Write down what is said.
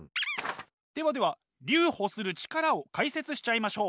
ではでは留保する力を解説しちゃいましょう！